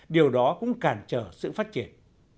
điều đó cũng cản trở sự phát triển